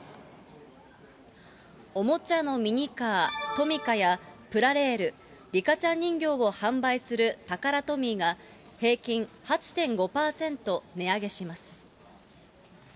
おもちゃのミニカー、トミカやプラレール、リカちゃん人形を販売するタカラトミーが平均８．５％値上げします。